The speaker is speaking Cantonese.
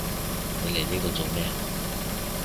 你嚟呢度做咩？